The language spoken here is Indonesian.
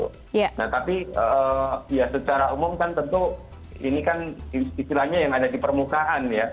nah tapi ya secara umum kan tentu ini kan istilahnya yang ada di permukaan ya